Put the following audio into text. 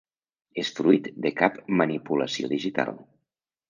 És fruit de cap manipulació digital.